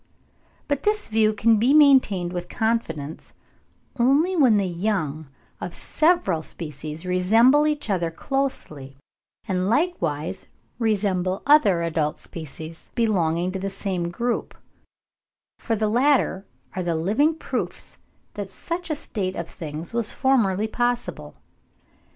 But this view can be maintained with confidence, only when the young of several species resemble each other closely, and likewise resemble other adult species belonging to the same group; for the latter are the living proofs that such a state of things was formerly possible.